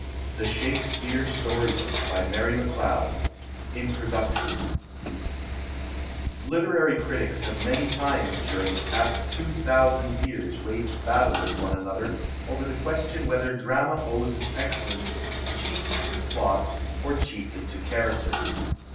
S. BARNES & CO., NEW YORK. [Illustration: INTRODUCTION] Literary critics have many times during the past two thousand years waged battle with one another over the question whether drama owes its excellence chiefly to plot or chiefly to character.